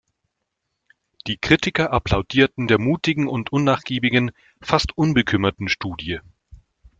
Die Kritiker applaudierten der mutigen und unnachgiebigen, fast unbekümmerten Studie.